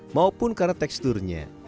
maupun karena teksturnya